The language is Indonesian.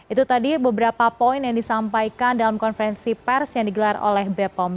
itu tadi beberapa poin yang disampaikan dalam konferensi pers yang digelar oleh bepom